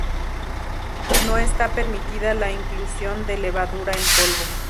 No está permitida la inclusión de levadura en polvo.